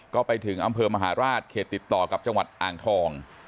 ก็ไปถึงอำเภอมหาราชเขตติดต่อกับจังหวัดอ่างทอง